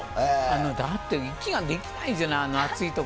だって、息ができないじゃない、熱い所。